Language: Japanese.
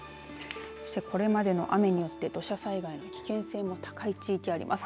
そして、これまでの雨によって土砂災害の危険性も高い地域があります。